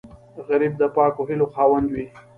غریب د پاکو هیلو خاوند وي